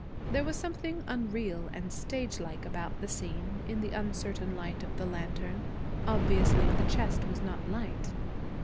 There was something unreal and stage like about the scene, in the uncertain light of the lantern. Obviously the chest was not light.